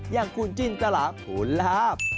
ยังคุณจินตระหลาภูราบ